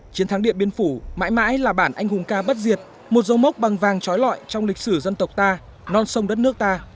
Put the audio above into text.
chiến thắng điện biên phủ mãi mãi là bản anh hùng ca bất diệt một dấu mốc bằng vàng trói lọi trong lịch sử dân tộc ta non sông đất nước ta